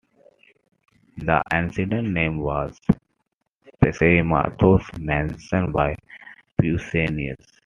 The ancient name was Psamathous, mentioned by Pausanias.